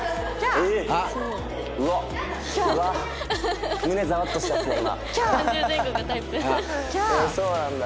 へえそうなんだ。